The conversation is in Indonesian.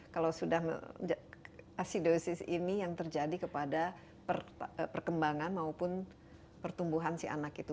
kalau sudah asidosis ini yang terjadi kepada perkembangan maupun pertumbuhan si anak itu